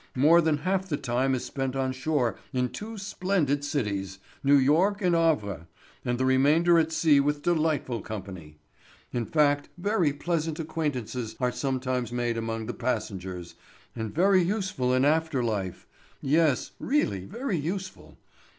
More than half the time is spent on shore in two splendid cities—New York and Havre; and the remainder at sea with delightful company. In fact, very pleasant acquaintances are sometimes made among the passengers, and very useful in after life—yes, really very useful.